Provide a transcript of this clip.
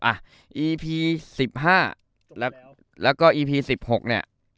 อ่ะอีพี๑๕แล้วก็อีพี๑๖เนี่ย